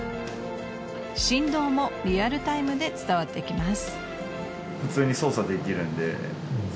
振動もリアルタイムで伝わってきます。